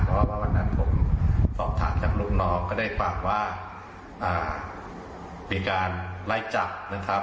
เพราะว่าวันนั้นผมสอบถามจากลูกน้องก็ได้ฟังว่ามีการไล่จับนะครับ